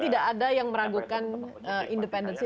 tidak ada yang meragukan independensi